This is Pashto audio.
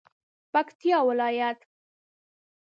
پکتیا ولایت